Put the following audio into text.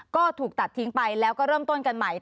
ก็ถูกตัดทิ้งไปแล้วก็เริ่มต้นกันใหม่